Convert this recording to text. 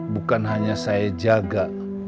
bukan hanya saya jaga